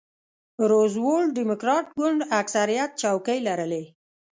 روزولټ ډیموکراټ ګوند اکثریت څوکۍ لرلې.